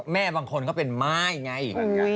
แม่บางคนก็เป็นม่าอย่างนี้ไง